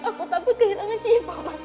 aku takut kehilangan siapa mas